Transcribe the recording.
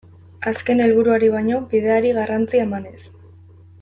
Azken helburuari baino bideari garrantzia emanez.